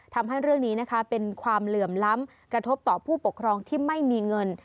ทำให้เรื่องนี้นะคะเป็นความเหลื่อมล้ำกระทบต่อผู้ปกครองที่ไม่มีเงิน